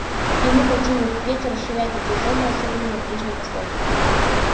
И мы хотим и впредь расширять эти зоны, особенно на Ближнем Востоке.